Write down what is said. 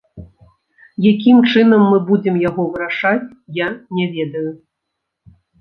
Якім чынам мы будзем яго вырашаць, я не ведаю.